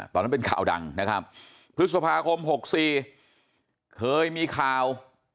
ตอนนั้นเป็นข่าวดังนะครับพฤษภาคม๖๔เคยมีข่าว